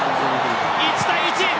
１対１。